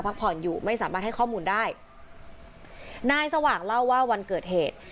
พักผ่อนอยู่ไม่สามารถให้ข้อมูลได้นายสว่างเล่าว่าวันเกิดเหตุ